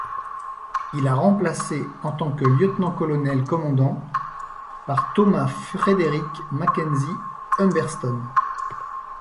Il a remplacé en tant que Lieutenant-Colonel Commandant par Thomas Frederick Mackenzie Humberston.